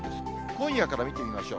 今夜から見てみましょう。